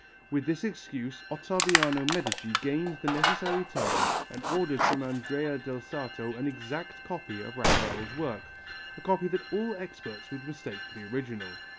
With this excuse Ottaviano Medici gained the necessary time and ordered from Andrea del Sarto an exact copy of Raphael's work, a copy that all experts would mistake for the original.